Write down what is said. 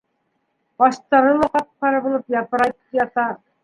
Ҡаштары ла ҡап-ҡара булып япырайып ята.